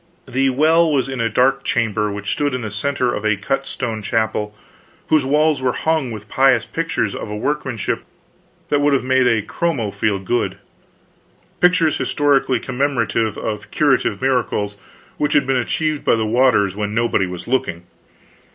The well was in a dark chamber which stood in the center of a cut stone chapel, whose walls were hung with pious pictures of a workmanship that would have made a chromo feel good; pictures historically commemorative of curative miracles which had been achieved by the waters when nobody was looking.